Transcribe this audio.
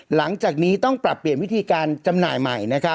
หลังจากนี้ต้องปรับเปลี่ยนวิธีการจำหน่ายใหม่